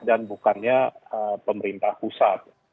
dan bukannya pemerintah pusat